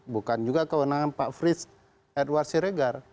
bukan juga kewenangan pak frits edward siregar